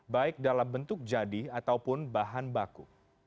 baik dalam bentuk jadi ataupun bahan baku